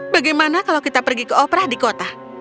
bagaimana kalau kita pergi ke opera di kota